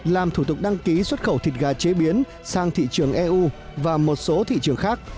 làm thủ tục đăng ký xuất khẩu thịt gà chế biến sang thị trường eu và một số thị trường khác